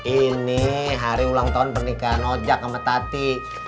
ini hari ulang tahun pernikahan oja sama tati